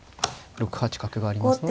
６八角がありますので。